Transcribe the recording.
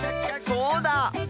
そうだ！